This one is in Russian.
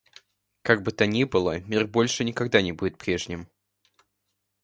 Как бы то ни было, мир больше никогда не будет прежним.